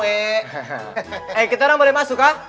eh kita orang boleh masuk